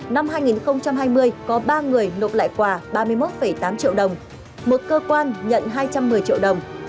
năm hai nghìn hai mươi có ba người nộp lại quà ba mươi một tám triệu đồng một cơ quan nhận hai trăm một mươi triệu đồng